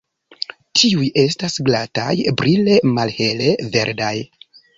Tiuj estas glataj, brile malhele verdaj.